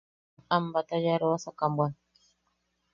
Am batayoaroasaka bwan.